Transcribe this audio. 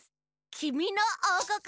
「きみのおうこく」。